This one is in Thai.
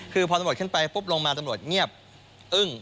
คือพอตำรวจขึ้นไปปุ๊บลงมาตำรวจเงียบอึ้ง